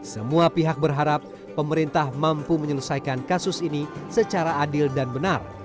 semua pihak berharap pemerintah mampu menyelesaikan kasus ini secara adil dan benar